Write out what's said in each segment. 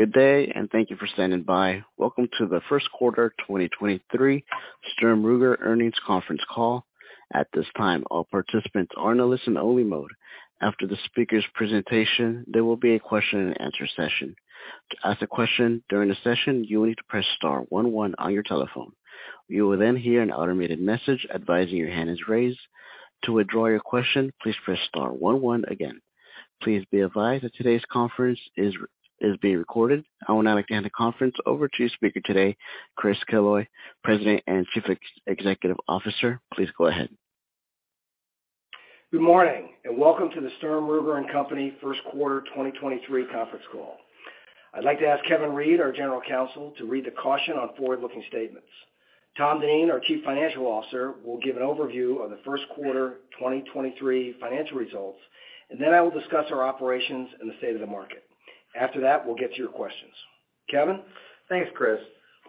Good day. Thank you for standing by. Welcome to the first quarter 2023 Sturm Ruger earnings conference call. At this time, all participants are in a listen-only mode. After the speaker's presentation, there will be a question-an- answer session. To ask a question during the session, you will need to press star one one on your telephone. You will hear an automated message advising your hand is raised. To withdraw your question, please press star one one again. Please be advised that today's conference is being recorded. I will now hand the conference over to speaker today, Chris Killoy, President and Chief Executive Officer. Please go ahead. Good morning, welcome to the Sturm, Ruger & Company first quarter 2023 conference call. I'd like to ask Kevin Reid, our General Counsel, to read the caution on forward-looking statements. Tom Dineen, our Chief Financial Officer, will give an overview of the first quarter 2023 financial results, then I will discuss our operations and the state of the market. After that, we'll get to your questions. Kevin. Thanks, Chris.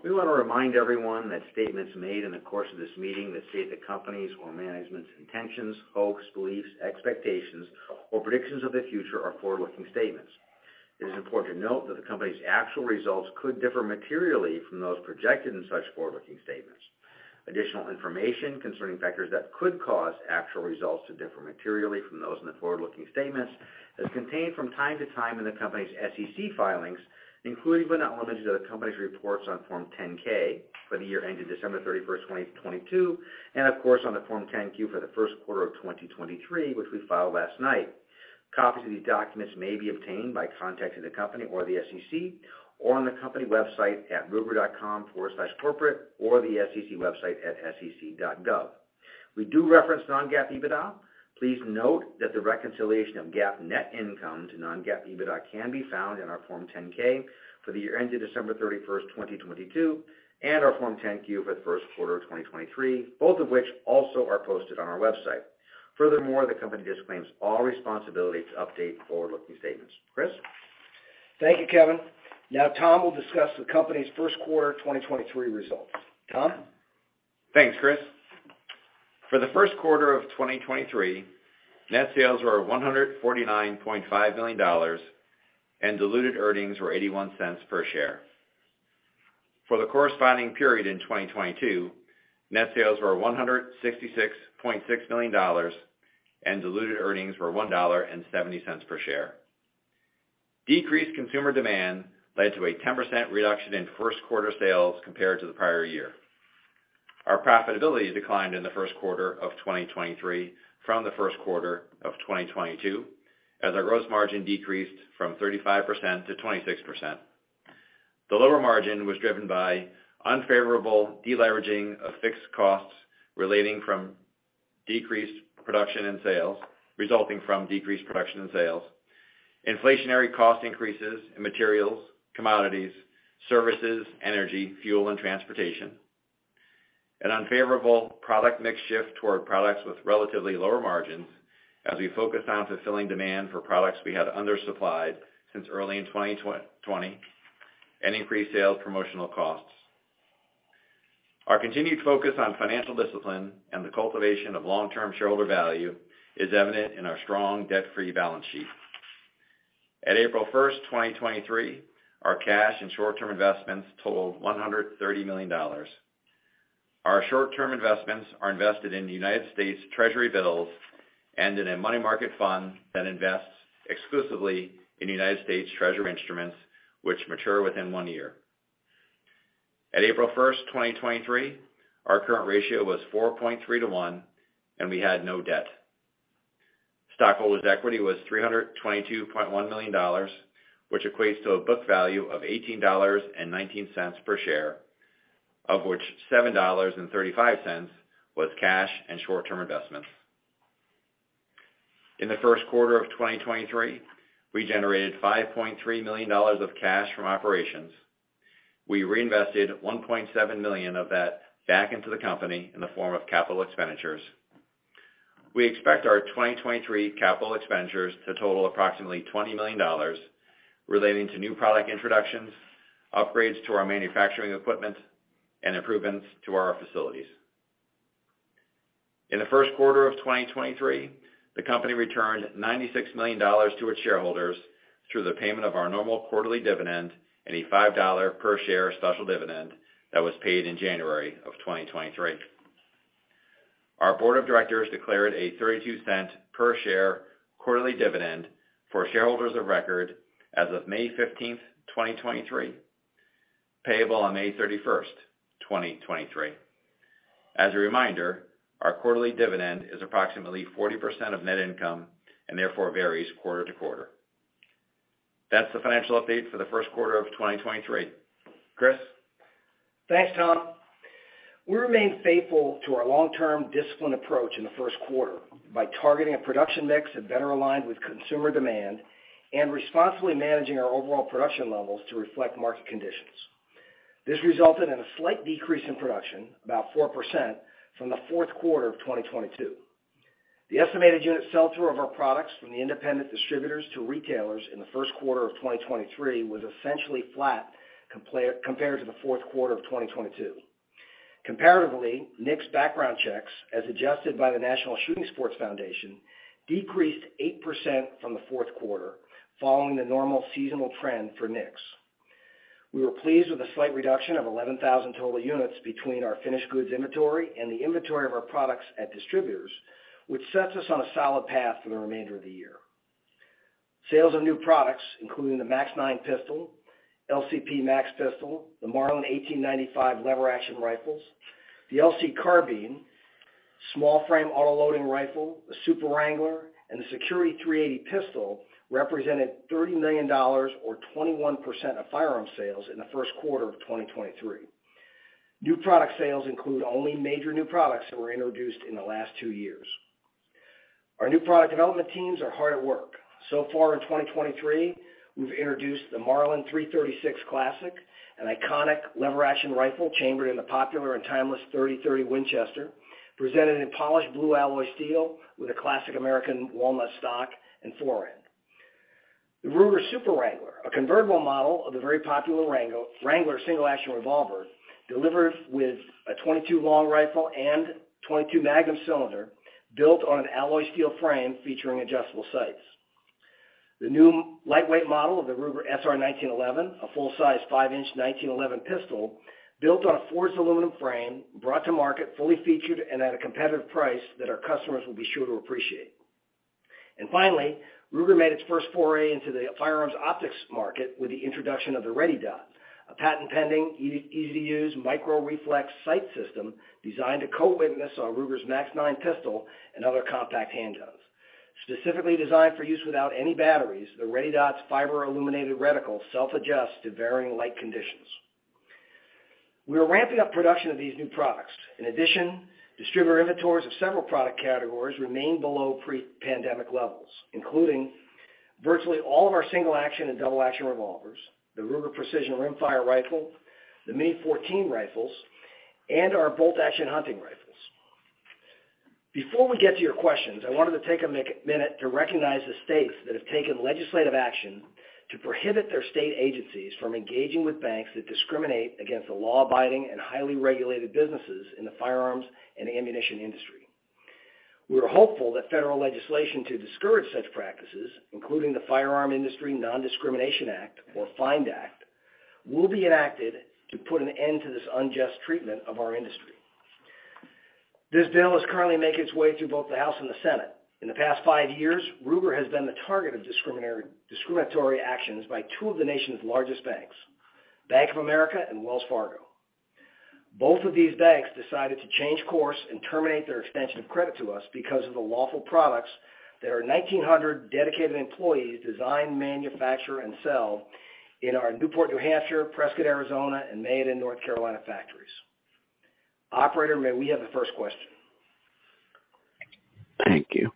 We want to remind everyone that statements made in the course of this meeting that state the company's or management's intentions, hopes, beliefs, expectations, or predictions of the future are forward-looking statements. It is important to note that the company's actual results could differ materially from those projected in such forward-looking statements. Additional information concerning factors that could cause actual results to differ materially from those in the forward-looking statements is contained from time to time in the company's SEC filings, including but not limited to the company's reports on Form 10-K for the year ended December 31st, 2022, and of course, on the Form 10-Q for the first quarter of 2023, which we filed last night. Copies of these documents may be obtained by contacting the company or the SEC, or on the company website at Ruger.com/corporate, or the SEC website at SEC.gov. We do reference non-GAAP EBITDA. Please note that the reconciliation of GAAP net income to non-GAAP EBITDA can be found in our Form 10-K for the year ended December 31st, 2022, and our Form 10-Q for the first quarter of 2023, both of which also are posted on our website. Furthermore, the company disclaims all responsibility to update forward-looking statements. Chris. Thank you, Kevin. Now Tom will discuss the company's first quarter 2023 results. Tom. Thanks, Chris. For the first quarter of 2023, net sales were $149.5 million, and diluted earnings were $0.81 per share. For the corresponding period in 2022, net sales were $166.6 million, and diluted earnings were $1.70 per share. Decreased consumer demand led to a 10% reduction in first quarter sales compared to the prior year. Our profitability declined in the first quarter of 2023 from the first quarter of 2022, as our gross margin decreased from 35% to 26%. The lower margin was driven by unfavorable deleveraging of fixed costs resulting from decreased production and sales, inflationary cost increases in materials, commodities, services, energy, fuel, and transportation. An unfavorable product mix shift toward products with relatively lower margins as we focused on fulfilling demand for products we had undersupplied since early in 2020, and increased sales promotional costs. Our continued focus on financial discipline and the cultivation of long-term shareholder value is evident in our strong debt-free balance sheet. At April first, 2023, our cash and short-term investments totaled $130 million. Our short-term investments are invested in the United States Treasury bills and in a money market fund that invests exclusively in United States Treasury instruments which mature within one year. At April first, 2023, our current ratio was four point three to one, and we had no debt. Stockholders' equity was $322.1 million, which equates to a book value of $18.19 per share, of which $7.35 was cash and short-term investments. In the first quarter of 2023, we generated $5.3 million of cash from operations. We reinvested $1.7 million of that back into the company in the form of CapEx. We expect our 2023 CapEx to total approximately $20 million relating to new product introductions, upgrades to our manufacturing equipment, and improvements to our facilities. In the first quarter of 2023, the company returned $96 million to its shareholders through the payment of our normal quarterly dividend and a $5 per share special dividend that was paid in January of 2023. Our board of directors declared a $0.32 per share quarterly dividend for shareholders of record as of May 15, 2023, payable on May 31, 2023. As a reminder, our quarterly dividend is approximately 40% of net income and therefore varies quarter to quarter. That's the financial update for the first quarter of 2023. Chris. Thanks, Tom. We remain faithful to our long-term discipline approach in the first quarter by targeting a production mix that better aligned with consumer demand and responsibly managing our overall production levels to reflect market conditions. This resulted in a slight decrease in production, about 4%, from the fourth quarter of 2022. The estimated unit sell-through of our products from the independent distributors to retailers in the first quarter of 2023 was essentially flat compared to the fourth quarter of 2022. Comparatively, NICS background checks, as adjusted by the National Shooting Sports Foundation, decreased 8% from the fourth quarter following the normal seasonal trend for NICS. We were pleased with a slight reduction of 11,000 total units between our finished goods inventory and the inventory of our products at distributors, which sets us on a solid path for the remainder of the year. Sales of new products, including the MAX-9 pistol, LCP MAX pistol, the Model 1895 lever action rifles, the LC Carbine, Small-Frame Autoloading Rifle, the Super Wrangler, and the Security-380 pistol, represented $30 million or 21% of firearm sales in the first quarter of 2023. New product sales include only major new products that were introduced in the last two years. Our new product development teams are hard at work. So far in 2023, we've introduced the Marlin 336 Classic, an iconic lever-action rifle chambered in the popular and timeless 30/30 Winchester, presented in polished blue alloy steel with a classic American walnut stock and forend. The Ruger Super Wrangler, a convertible model of the very popular Wrangler single-action revolver, delivers with a .22 Long Rifle and .22 Magnum cylinder built on an alloy steel frame featuring adjustable sights. The new lightweight model of the Ruger SR1911, a full-size five-inch 1911 pistol built on a forged aluminum frame, brought to market fully featured and at a competitive price that our customers will be sure to appreciate. Finally, Ruger made its first foray into the firearms optics market with the introduction of the ReadyDot, a patent-pending, easy-to-use micro reflex sight system designed to co-witness on Ruger's MAX-9 pistol and other compact handguns. Specifically designed for use without any batteries, the ReadyDot's fiber illuminated reticle self-adjusts to varying light conditions. We are ramping up production of these new products. In addition, distributor inventories of several product categories remain below pre-pandemic levels, including virtually all of our single-action and double-action revolvers, the Ruger Precision Rimfire rifle, the Mini-14 rifles, and our bolt-action hunting rifles. Before we get to your questions, I wanted to take a minute to recognize the states that have taken legislative action to prohibit their state agencies from engaging with banks that discriminate against the law-abiding and highly regulated businesses in the firearms and ammunition industry. We are hopeful that federal legislation to discourage such practices, including the Firearm Industry Non-Discrimination Act, or FIND Act, will be enacted to put an end to this unjust treatment of our industry. This bill is currently making its way through both the House and the Senate. In the past five years, Ruger has been the target of discriminatory actions by two of the nation's largest banks, Bank of America and Wells Fargo. Both of these banks decided to change course and terminate their extension of credit to us because of the lawful products that our 1,900 dedicated employees design, manufacture, and sell in our Newport, New Hampshire, Prescott, Arizona, and Mayodan, North Carolina factories. Operator, may we have the first question? Thank you.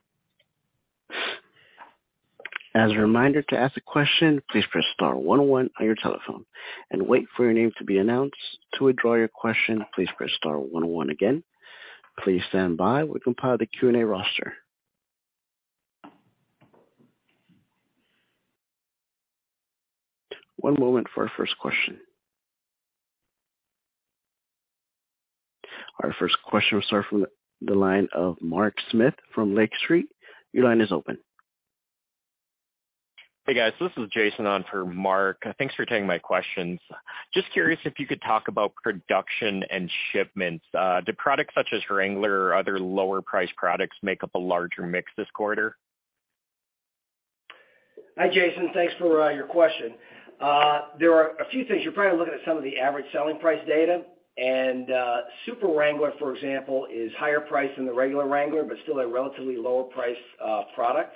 As a reminder, to ask a question, please press star one zero one on your telephone and wait for your name to be announced. To withdraw your question, please press star one zero one again. Please stand by. We compile the Q&A roster. One moment for our first question. Our first question will start from the line of Mark Smith from Lake Street. Your line is open. Hey, guys. This is Jaeson on for Mark. Thanks for taking my questions. Just curious if you could talk about production and shipments. Do products such as Wrangler or other lower-priced products make up a larger mix this quarter? Hi, Jaeson. Thanks for your question. There are a few things. You're probably looking at some of the average selling price data, and Super Wrangler, for example, is higher priced than the regular Wrangler, but still a relatively lower-priced product.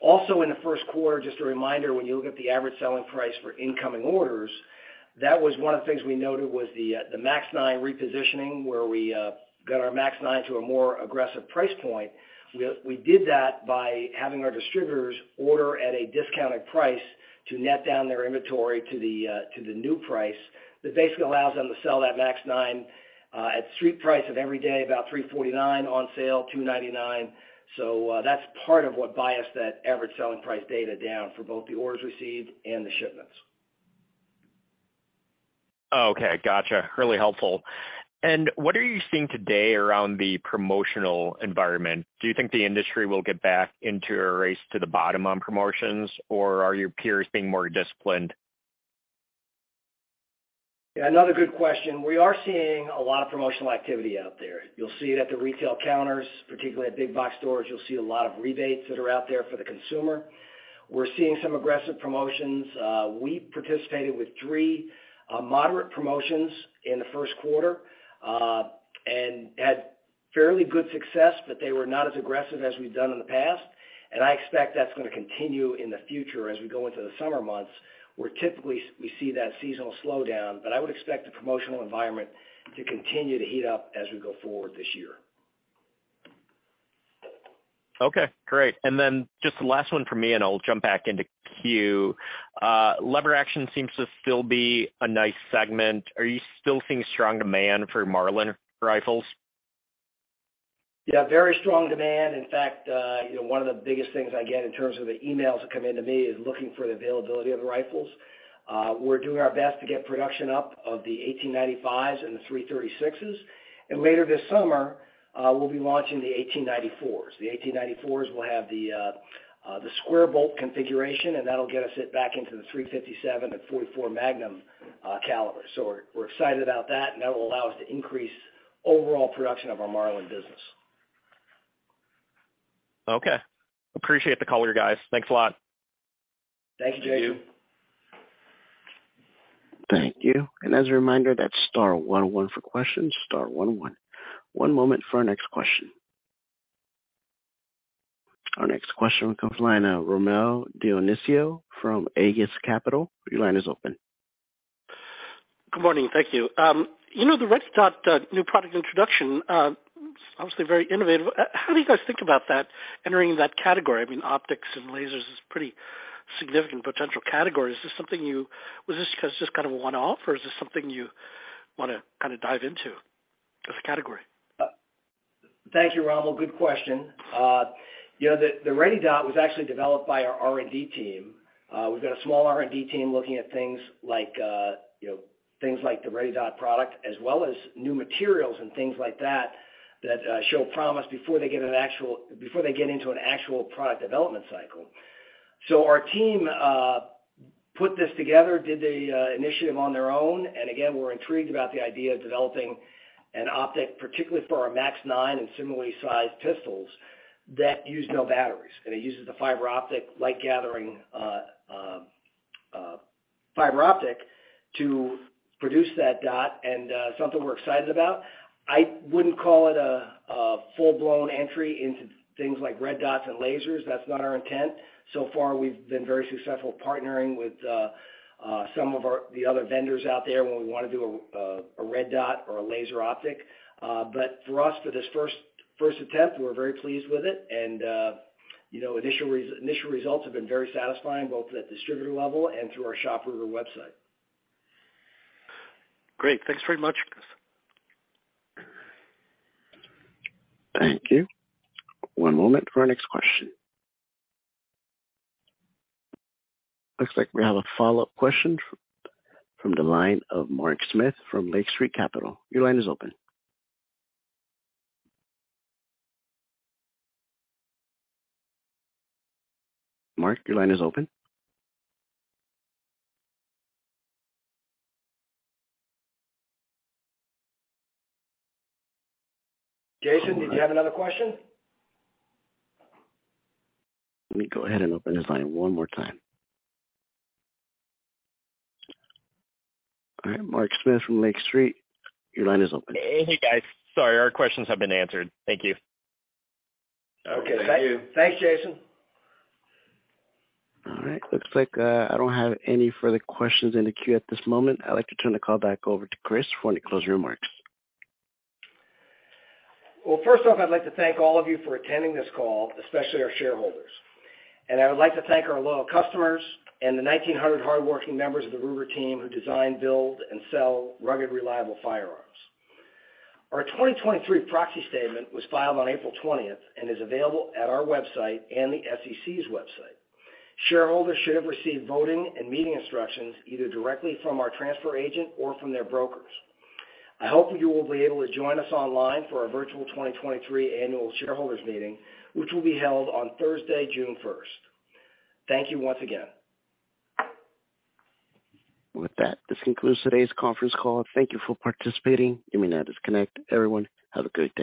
Also in the first quarter, just a reminder, when you look at the average selling price for incoming orders, that was one of the things we noted was the MAX-9 repositioning, where we got our MAX-9 to a more aggressive price point. We did that by having our distributors order at a discounted price to net down their inventory to the new price. That basically allows them to sell that MAX-9 at street price of every day, about $349 on sale, $299. That's part of what biased that average selling price data down for both the orders received and the shipments. Oh, okay. Gotcha. Really helpful. What are you seeing today around the promotional environment? Do you think the industry will get back into a race to the bottom on promotions, or are your peers being more disciplined? Yeah, another good question. We are seeing a lot of promotional activity out there. You'll see it at the retail counters, particularly at big box stores. You'll see a lot of rebates that are out there for the consumer. We're seeing some aggressive promotions. We participated with three moderate promotions in the first quarter and had fairly good success, but they were not as aggressive as we've done in the past. I expect that's gonna continue in the future as we go into the summer months, where typically we see that seasonal slowdown. I would expect the promotional environment to continue to heat up as we go forward this year. Okay, great. Then just the last one from me, and I'll jump back into queue. Lever action seems to still be a nice segment. Are you still seeing strong demand for Marlin rifles? Yeah, very strong demand. In fact, you know, one of the biggest things I get in terms of the emails that come into me is looking for the availability of the rifles. We're doing our best to get production up of the 1895s and the 336s. Later this summer, we'll be launching the 1894s. The 1894s will have the square bolt configuration, and that'll get us it back into the .357 and .44 Magnum caliber. We're excited about that, and that will allow us to increase overall production of our Marlin business. Okay. Appreciate the call, you guys. Thanks a lot. Thank you, Jaeson. Thank you. As a reminder, that's star one one for questions. Star one oh one. One moment for our next question. Our next question comes line of Rommel Dionisio from Aegis Capital. Your line is open. Good morning. Thank you. You know, the Red Dot new product introduction, obviously very innovative. How do you guys think about that entering that category? I mean, optics and lasers is pretty significant potential category. Was this just kind of a one-off, or is this something you wanna kinda dive into as a category? Thank you, Rommel. Good question. you know, the ReadyDot was actually developed by our R&D team. We've got a small R&D team looking at things like, you know, things like the ReadyDot product as well as new materials and things like that show promise before they get into an actual product development cycle. Our team put this together, did the initiative on their own. Again, we're intrigued about the idea of developing an optic, particularly for our MAX-9 and similarly sized pistols that use no batteries. It uses the fiber optic light-gathering fiber optic to produce that dot and something we're excited about. I wouldn't call it a full-blown entry into things like red dots and lasers. That's not our intent. We've been very successful partnering with some of the other vendors out there when we wanna do a red dot or a laser optic. For us, for this first attempt, we're very pleased with it. You know, initial results have been very satisfying both at the distributor level and through our ShopRuger website. Great. Thanks very much. Thank you. One moment for our next question. Looks like we have a follow-up question from the line of Mark Smith from Lake Street Capital. Your line is open. Mark, your line is open. Jaeson, did you have another question? Let me go ahead and open his line one more time. All right, Mark Smith from Lake Street, your line is open. Hey, guys. Sorry, our questions have been answered. Thank you. Okay. Thank you. Thanks, Jaeson. All right. Looks like I don't have any further questions in the queue at this moment. I'd like to turn the call back over to Chris for any closing remarks. First off, I'd like to thank all of you for attending this call, especially our shareholders. I would like to thank our loyal customers and the 1,900 hardworking members of the Ruger team who design, build, and sell rugged, reliable firearms. Our 2023 proxy statement was filed on April 20th and is available at our website and the SEC's website. Shareholders should have received voting and meeting instructions either directly from our transfer agent or from their brokers. I hope you will be able to join us online for our virtual 2023 annual shareholders meeting, which will be held on Thursday, June 1st. Thank you once again. With that, this concludes today's conference call. Thank you for participating. You may now disconnect. Everyone, have a good day.